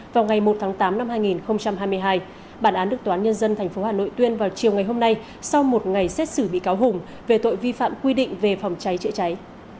vào ngày một tháng tám năm hai nghìn hai mươi hai bản án được toán nhân dân tp hà nội tuyên vào chiều ngày hôm nay sau một ngày xét xử bị cáo hùng về tội vi phạm quy định về phòng cháy chữa cháy